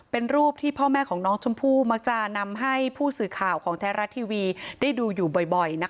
เป็นรูปที่พ่อแม่ของน้องชมพู่มักจะนำให้ผู้สื่อข่าวของแท้รัฐทีวีได้ดูอยู่บ่อย